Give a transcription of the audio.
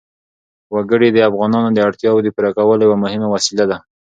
وګړي د افغانانو د اړتیاوو د پوره کولو یوه مهمه وسیله ده.